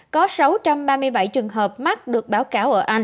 có sáu trăm ba mươi bảy trường hợp mắc được báo cáo